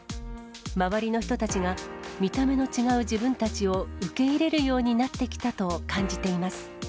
周りの人たちが見た目の違う自分たちを受け入れるようになってきたと感じています。